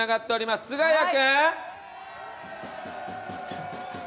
すがや君！